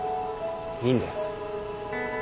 いいんだよ。